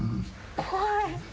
怖い。